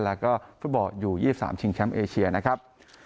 แล้วก็ฟุตบอลอยู่๒๓ชิงแชมป์เอเชียนะครับ